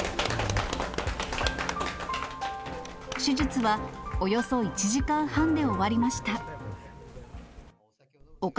手術は、およそ１時間半で終わりました。